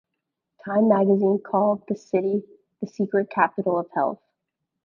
Time Magazine called the city "The secret capital of health".